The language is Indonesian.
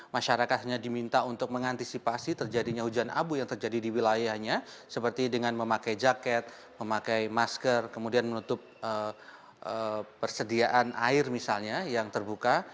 masyarakat hanya diminta untuk mengantisipasi terjadinya hujan abu yang terjadi di wilayahnya seperti dengan memakai jaket memakai masker kemudian menutup persediaan air misalnya yang terbuka